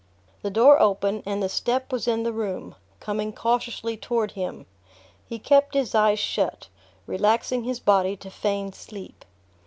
The door opened, and the step was in the room, coming cautiously toward him. He kept his eyes shut, relaxing his body to feign sleep.